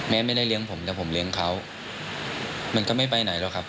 ไม่ได้เลี้ยงผมแต่ผมเลี้ยงเขามันก็ไม่ไปไหนหรอกครับ